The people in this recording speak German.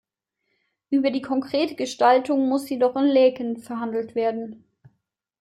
Über die konkrete Gestaltung muss jedoch in Laeken verhandelt werden.